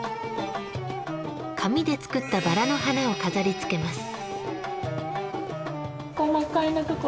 紙で作ったバラの花を飾りつけます。